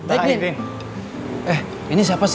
eh ini siapa sih